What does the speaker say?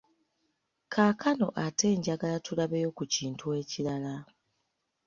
Kaakano ate njagala tulabeyo ku kintu ekirala.